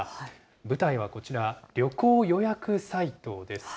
舞台はこちら、旅行予約サイトです。